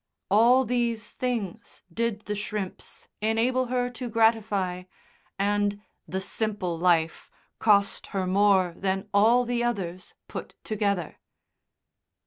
All these things did the shrimps enable her to gratify, and "the simple life" cost her more than all the others put together.